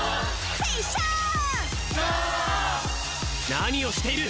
なにをしている！